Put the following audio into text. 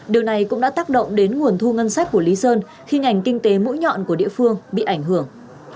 điều này cũng đã tác động đến nguồn thu ngân sách của lý sơn khi ngành kinh tế mũi nhọn của địa phương bị ảnh hưởng